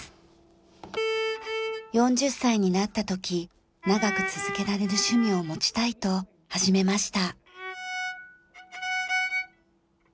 ４０歳になった時長く続けられる趣味を持ちたいと始めました。